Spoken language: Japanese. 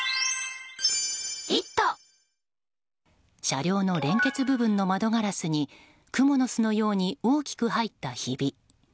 車両の連結部分の窓ガラスに蜘蛛の巣のように大きく入ったひび。